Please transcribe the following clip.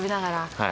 はい。